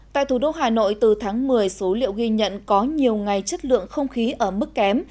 tại thủ đô hà nội từ tháng một mươi số liệu ghi nhận có nhiều ngày chất lượng không khí ở mức kém